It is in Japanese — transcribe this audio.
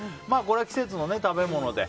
季節の食べ物で。